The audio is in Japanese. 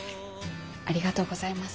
ありがとうございます。